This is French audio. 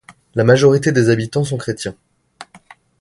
La majorité des habitants sont chrétiens.